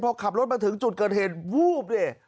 พอขับรถมาถึงจุดเกิดเหตุวูบดิ